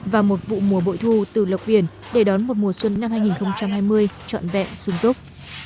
và một vụ mùa bội thu từ lộc biển để đón một mùa xuân năm hai nghìn hai mươi trọn vẹn sung túc